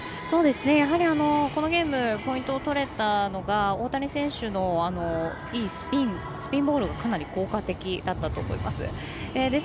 やはり、このゲームポイントを取れたのが大谷選手の、いいスピンボールがかなり効果的だったと思います。